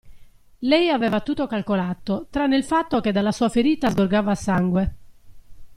Lei aveva tutto calcolato tranne il fatto che dalla sua ferita sgorgava sangue.